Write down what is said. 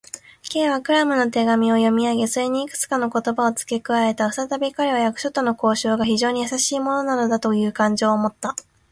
Ｋ はクラムの手紙を読みあげ、それにいくつかの言葉をつけ加えた。ふたたび彼は、役所との交渉が非常にやさしいものなのだという感情をもった。